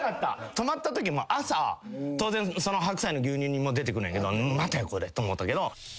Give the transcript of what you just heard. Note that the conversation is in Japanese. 泊まったときも朝当然白菜の牛乳煮も出てくるんやけどまたやこれと思ったけど。